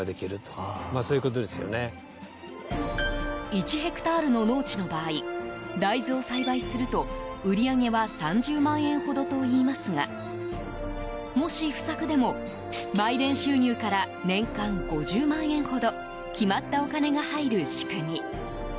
１ヘクタールの農地の場合大豆を栽培すると、売り上げは３０万円ほどといいますがもし不作でも、売電収入から年間５０万円ほど決まったお金が入る仕組み。